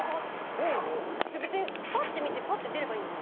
別にパッ！と見てパッ！と出ればいいのに。